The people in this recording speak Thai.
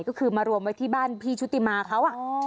ก็คือมารวมไว้ที่บ้านพี่ชุติมาเขา